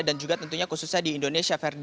dan juga tentunya khususnya di indonesia